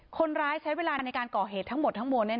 คนร้ายใช้เวลาในการก่อเหตุทั้งหมดทั้งมวล